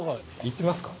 行ってみますか？